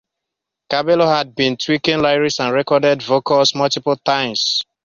Cabello had been tweaking lyrics and recorded vocals multiple times.